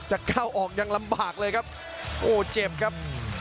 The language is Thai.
ก้าวออกยังลำบากเลยครับโอ้เจ็บครับ